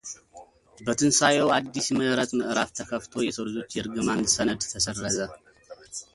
በትንሣኤው አዲስ የምሕረት ምዕራፍ ተከፍቶ የሰው ልጆች የርግማን ሰነድ ተሰረዘ